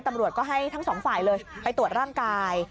ตำรวจก็ให้ทั้งสองฝ่ายเลยไปตรวจร่างกาย